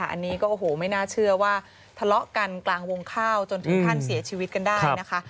อันนี้ก็โอ้โหไม่น่าเชื่อว่าทะเลาะกันกลางวงข้าวจนถึงขั้นเสียชีวิตกันได้นะคะ